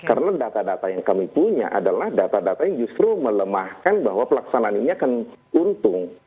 karena data data yang kami punya adalah data data yang justru melemahkan bahwa pelaksanaan ini akan untung